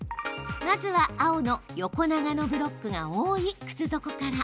まずは、青の横長のブロックが多い靴底から。